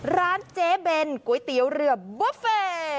ร้านเจ๊เบนก๋วยเตี๋ยวเรือบุฟเฟ่